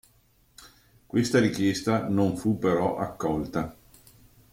Questa richiesta non fu però accolta.